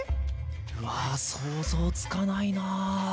うわ想像つかないな。